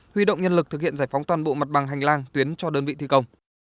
huy động nhân lực thực hiện giải phóng toàn bộ mặt bằng hành lang tuyến cho đơn vị thi công